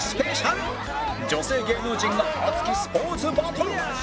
女性芸能人が熱きスポーツバトル